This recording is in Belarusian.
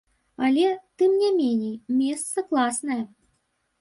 Але, тым не меней, месца класнае.